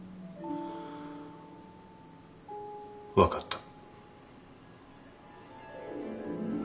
分かった。